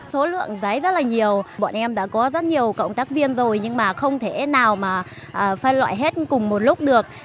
số lượng giấy rất là nhiều bọn em đã có rất nhiều cộng tác viên rồi nhưng mà không thể nào mà phân loại hết cùng một lúc được